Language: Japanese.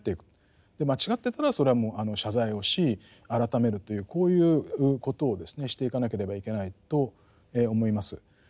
間違ってたらそれはもう謝罪をし改めるというこういうことをですねしていかなければいけないと思います。